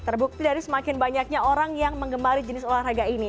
terbukti dari semakin banyaknya orang yang mengemari jenis olahraga ini